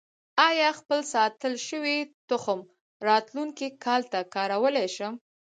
آیا خپل ساتل شوی تخم راتلونکي کال ته کارولی شم؟